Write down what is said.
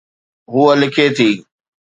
هوءَ لکي ٿي